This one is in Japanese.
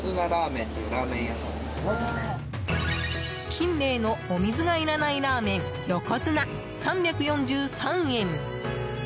キンレイのお水がいらないラーメン横綱３４３円。